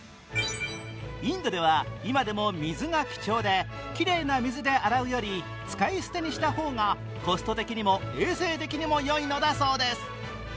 インドでは今でも水が貴重できれいな水で洗うより使い捨てにした方がコスト的にも衛生的にもよいのだそうです。